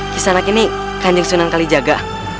kisanak ini kanjeng sunan kali jaga